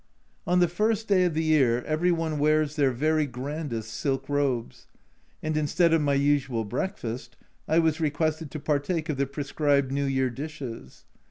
On the first day of the year every one wears their very grandest silk robes, and instead of my usual breakfast I was requested to partake of the prescribed New Year dishes.